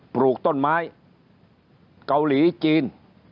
ปลูกต้นไม้เกาหลีจีน